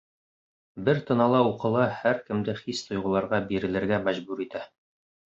Бер тынала уҡыла, һәр кемде хис-тойғоларға бирелергә мәжбүр итә.